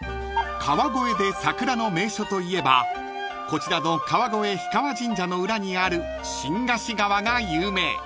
［川越で桜の名所といえばこちらの川越氷川神社の裏にある新河岸川が有名］